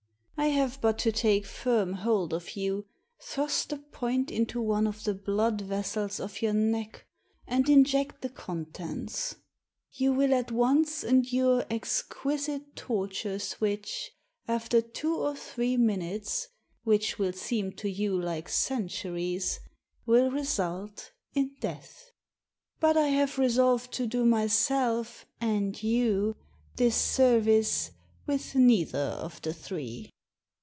I have but to take firm hold of you, thrust the point into one of the blood vessels of your neck, and inject the contents ; you will at once endure exquisite tortures which, after two or three minutes, which will seem to you like centuries, will result in death. But I have resolved to do myself, and you, this service, with neither of the three."